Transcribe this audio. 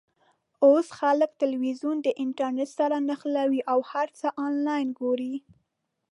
اوس خلک ټلویزیون د انټرنېټ سره نښلوي او هر څه آنلاین ګوري.